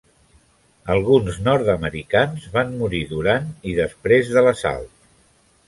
Alguns nord-americans van morir durant i després de l'assalt.